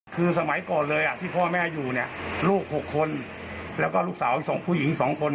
คือสมัยก่อนเลยที่พ่อแม่อยู่เนี่ยลูก๖คนแล้วก็ลูกสาว๒ผู้หญิง๒คน